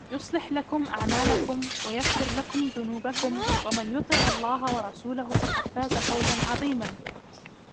يُصْلِحْ لَكُمْ أَعْمَالَكُمْ وَيَغْفِرْ لَكُمْ ذُنُوبَكُمْ وَمَنْ يُطِعِ اللَّهَ وَرَسُولَهُ فَقَدْ فَازَ فَوْزًا عَظِيمًا